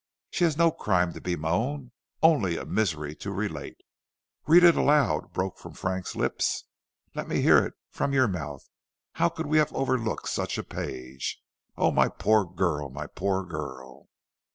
She has no crime to bemoan, only a misery to relate." "Read it aloud," broke from Frank's lips. "Let me hear it from your mouth. How could we have overlooked such a page? Oh, my poor girl! my poor girl!"